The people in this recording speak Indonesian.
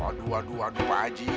aduh aduh aduh pak haji